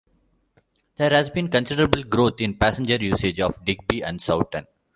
There has been considerable growth in passenger usage of Digby and Sowton.